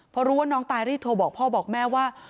พอรู้ว่าน้องตายรีบโทรบอกพ่อบอกแม่ว่า